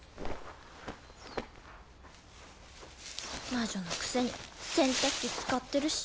魔女のくせに洗濯機使ってるし。